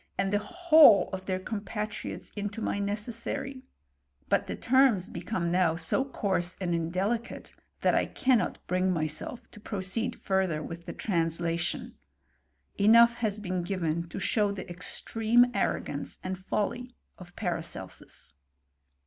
and the whole of their com * patriots into my necessary .^^ But the terms become ^ now so coarse and indelicate, that I cannot bring "y myself to proceed further with the translation. Enough has been given to show the extreme arrogance and folly of Paracelsus.